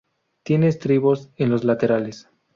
Tiene estribos en los laterales.